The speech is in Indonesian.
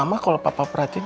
ma kalau papa perhatiin